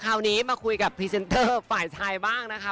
คราวนี้มาคุยกับพรีเซนเตอร์ฝ่ายชายบ้างนะคะ